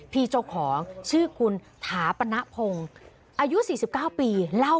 พี่เจ้าของชื่อคุณถาปนะพงอายุ๔๙ปี